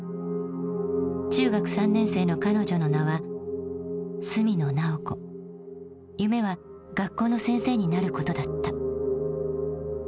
中学３年生の彼女の名は夢は学校の先生になることだった。